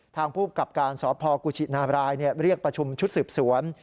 ทางภูมิกับการสพกุชินาบรายเรียกประชุมชุดสืบสวน